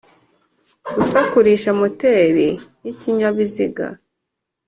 gusakurisha moteri y' ikinyabiziga